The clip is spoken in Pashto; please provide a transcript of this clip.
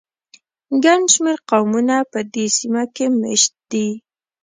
ګڼ شمېر قومونه په دې سیمه کې مېشت دي.